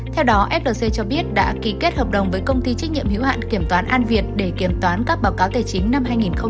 theo đó flc cho biết đã ký kết hợp đồng với công ty trách nhiệm hữu hạn kiểm toán an việt để kiểm toán các báo cáo tài chính năm hai nghìn một mươi chín